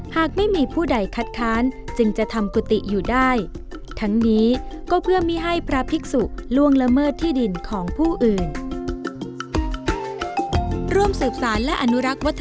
หากไม่มีผู้ใดคัดค้านจึงจะทำกุฏิอยู่ได้ทั้งนี้ก็เพื่อไม่ให้พระภิกษุล่วงละเมิดที่ดินของผู้อื่น